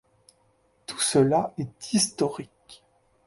Tout cela est historique.